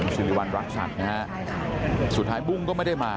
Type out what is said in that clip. สุริวัณรักษัยสุดท้ายบุ้งก็ไม่ได้มา